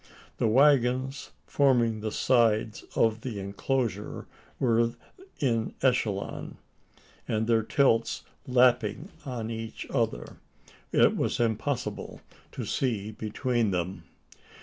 The waggons forming the sides of the enclosure were in echellon; and their tilts lapping on each other, it was impossible to see between them.